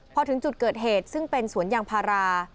พอถึงจุดเกิดเหตุซึ่งเป็นสวนยางพารา